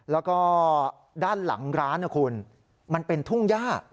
แล้วก็ด้านหลังร้านนะคุณมันเป็นทุ่งย่า